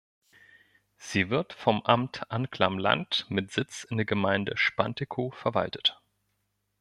Sie wird vom Amt Anklam-Land mit Sitz in der Gemeinde Spantekow verwaltet.